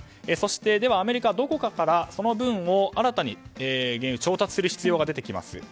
そして、アメリカはどこかからその分を新たに原油を調達する必要が出てきます。